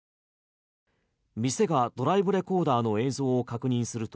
店がドライブレコーダーの映像を確認すると